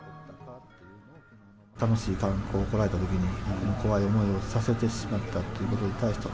楽しい観光来られたときに、怖い思いをさせてしまったということに対しては、